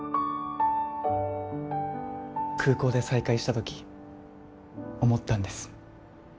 空港で再開したとき思ったんです